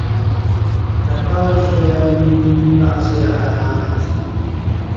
لەپاش بەیانی بەعزێ عەلامەت